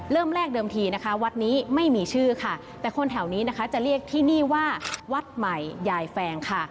เริ่มแรกเดิมทีนะคะวัดนี้ไม่มีชื่อค่ะแต่คนแถวนี้นะคะจะเรียกที่นี่ว่าวัดใหม่ยายแฟงค่ะ